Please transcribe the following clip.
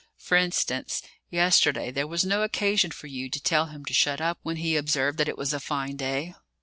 "For instance, yesterday there was no occasion for you to tell him to shut up when he observed that it was a fine day."